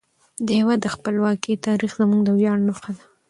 د هیواد د خپلواکۍ تاریخ زموږ د ویاړ نښه ده.